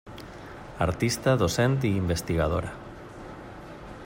Artista, docent i investigadora.